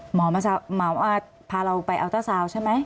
หมอพาเราไปอัลเตอร์ซาวน์ใช่ไหม